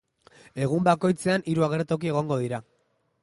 Egun bakoitzean hiru agertoki egongo dira.